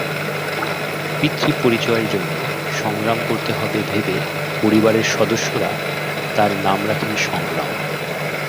পিতৃপরিচয়ের জন্য সংগ্রাম করতে হবে ভেবে পরিবারের সদস্যরা তার নাম রাখেন সংগ্রাম।